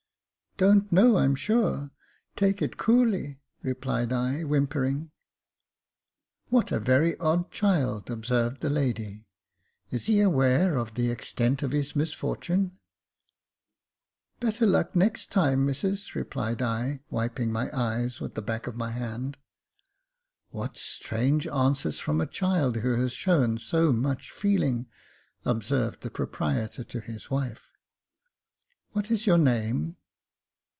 "Don't know, I'm sure. Take it coolly," replied I, whimpering. "What a very odd child !" observed the lady. " Is he aware of the extent of his misfortune ?"" Better luck next time, missus," replied I, wiping my eyes with the back of my hand. "What strange answers from a child who has shown so much feeling," observed the proprietor to his wife. " What is your name